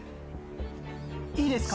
いいですか？